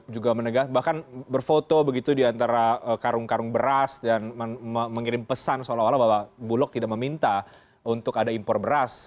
juga menegak bahkan berfoto begitu diantara karung karung beras dan mengirim pesan seolah olah bahwa bulog tidak meminta untuk ada impor beras